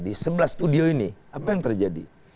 di sebelah studio ini apa yang terjadi